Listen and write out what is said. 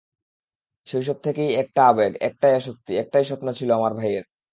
শৈশব থেকেই একটাই আবেগ, একটাই আসক্তি, একটাই স্বপ্ন ছিল আমার ভাইয়ের।